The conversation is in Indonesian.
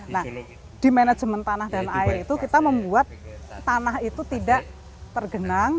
nah di manajemen tanah dan air itu kita membuat tanah itu tidak tergenang